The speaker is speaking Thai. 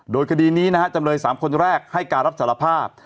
โดยคดีนี้นะฮะจำเลย๓คนแรกให้การรับสารภาพ